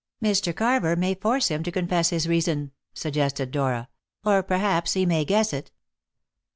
"Mr. Carver may force him to confess his reason," suggested Dora, "or perhaps he may guess it."